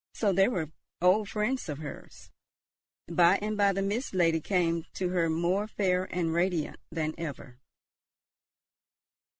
So they were old friends of hers. By and by the Mist Lady came to her more fair and radiant than ever.